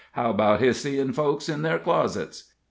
How about His seein' folks in their closets?"